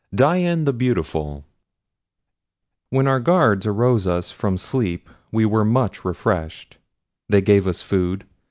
IV DIAN THE BEAUTIFUL WHEN OUR GUARDS AROUSED US FROM SLEEP WE were much refreshed. They gave us food.